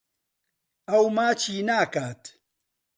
ئەو ماچی ناکات.